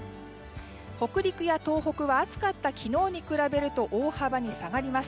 北陸や東北は暑かった昨日に比べると大幅に下がります。